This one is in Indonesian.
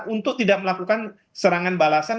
untuk tidak melakukan serangan balasan